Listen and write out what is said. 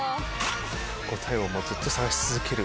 答えをずっと探し続ける。